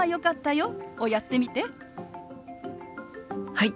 はい！